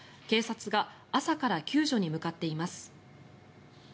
警察が朝から救助に向かっています。